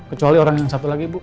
kecuali orang yang satu lagi bu